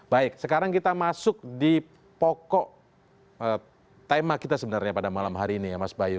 baik sekarang kita masuk di pokok tema kita sebenarnya pada malam hari ini ya mas bayu